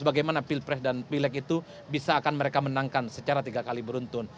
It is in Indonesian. bagaimana pilpres dan pilek itu bisa akan mereka menangkan secara tiga kali beruntun